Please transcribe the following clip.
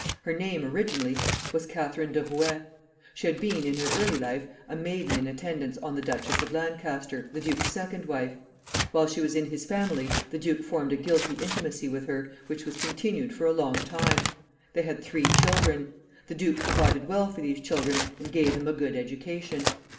Her name, originally, was Catharine de Rouet. She had been, in her early life, a maiden in attendance on the Duchess of Lancaster, the duke's second wife. While she was in his family the duke formed a guilty intimacy with her, which was continued for a long time. They had three children. The duke provided well for these children, and gave them a good education.